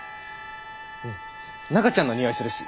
うん中ちゃんのにおいするし。